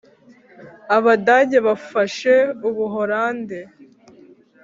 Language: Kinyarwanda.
abadage bafashe ubuholandi!